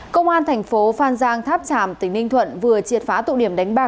công an thành phố phan giang tháp tràm tỉnh ninh thuận vừa triệt phá tụ điểm đánh bạc